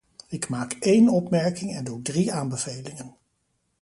Ik maak één opmerking en doe drie aanbevelingen.